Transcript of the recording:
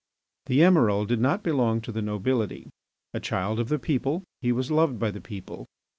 The Emiral did not belong to the nobility. A child of the people, he was loved by the people.